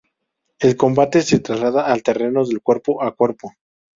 El combate se traslada al terreno del cuerpo a cuerpo.